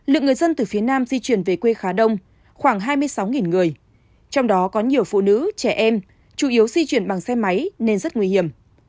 lượng người dân từ phía nam di chuyển về quê khá đông khoảng hai mươi sáu người trong đó có nhiều phụ nữ trẻ em chủ yếu di chuyển bằng xe máy nên rất nguy hiểm